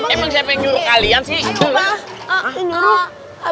emang siapa yang nyuruh kalian sih